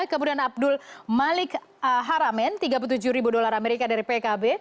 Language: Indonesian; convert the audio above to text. kemudian abdul malik haramen tiga puluh tujuh ribu dolar amerika dari pkb